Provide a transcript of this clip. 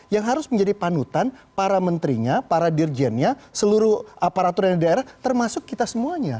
yang harus menjadi panutan para menterinya para dirjennya seluruh aparatur yang di daerah termasuk kita semuanya